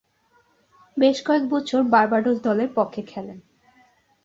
বেশ কয়েক বছর বার্বাডোস দলের পক্ষে খেলেন।